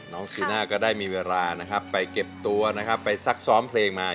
ซีน่าก็ได้มีเวลานะครับไปเก็บตัวนะครับไปซักซ้อมเพลงมา